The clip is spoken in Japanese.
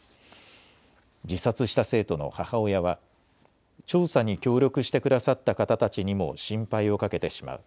自殺した生徒の母親は調査に協力してくださった方たちにも心配をかけてしまう。